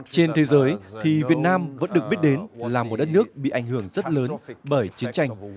trên thế giới thì việt nam vẫn được biết đến là một đất nước bị ảnh hưởng rất lớn bởi chiến tranh